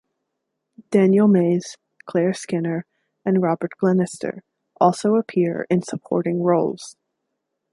Daniel Mays, Claire Skinner and Robert Glenister also appear in supporting roles.